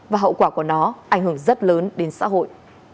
và hậu quả của nó ảnh hưởng rất lớn đến xã hội